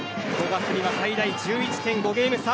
５月には最大１１．５ゲーム差。